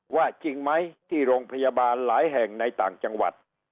จริงไหมที่โรงพยาบาลหลายแห่งในต่างจังหวัด